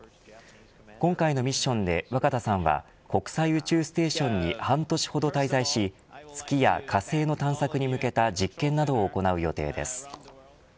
今回のミッションで若田さんは国際宇宙ステーションに半年ほど滞在し月や火星の探索に向けた実験などを行う予定です。